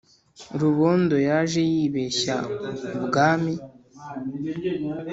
rubondo yaje yibeshya ubwami